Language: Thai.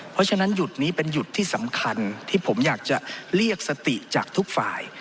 เพราะฉะนั้นหยุดนี้เป็นหยุดที่สำคัญที่ผมอยากจะเรียกสติจากทุกฝ่าย